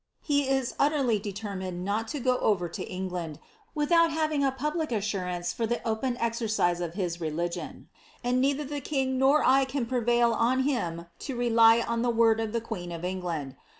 He is utterly determined not to go over to England, without having a public assurance for the ofien exercifo of his religion ; and neither the king nor I can prevail on him to ft\j OD the word of the queen of England.